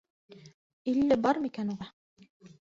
Илле бар микән уға?!